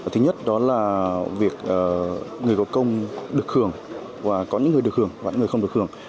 thứ nhất đó là việc người có công được hưởng và có những người được hưởng và những người không được hưởng